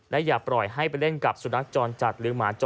อย่าปล่อยให้ไปเล่นกับสุนัขจรจัดหรือหมาจร